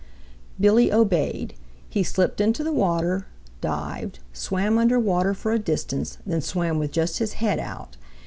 Billy obeyed. He slipped into the water, dived, swam under water for a distance, then swam with just his head out.